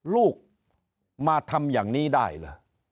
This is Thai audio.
ลูกมาทำอย่างนี้ได้เหรอ